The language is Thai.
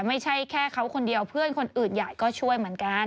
ไม่ใช่แค่เขาคนเดียวเพื่อนคนอื่นใหญ่ก็ช่วยเหมือนกัน